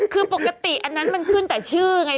คือปกติอันนั้นมันขึ้นแต่ชื่อไง